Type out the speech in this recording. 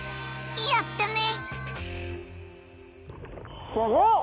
やったね！